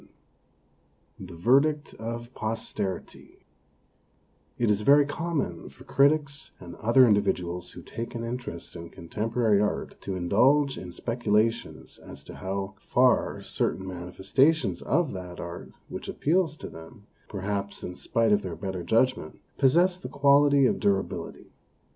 XXI THE VERDICT OF POSTERITY IT is very common for critics and other individuals who take an interest in contem porary art to indulge in speculations as to how far certain manifestations of that art, which appeals to them, perhaps, in spite of their better judgment, possess the quality of durability.